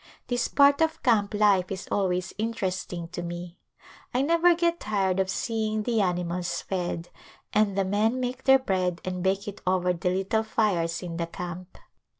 This part of camp life is always in teresting to me. I never get tired of seeing the ani mals fed, and the men make their bread and bake it over the little fires in the camp.